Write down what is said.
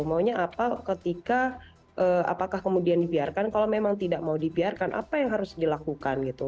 maunya apa ketika apakah kemudian dibiarkan kalau memang tidak mau dibiarkan apa yang harus dilakukan gitu